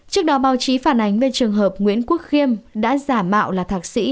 trước đó báo chí phản ánh về trường hợp nguyễn quốc khiêm đã giả mạo là thạc sĩ